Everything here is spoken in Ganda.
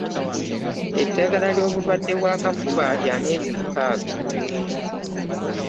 Eddagala lyobulwadde bw'akafuba lya myezi mukaaga .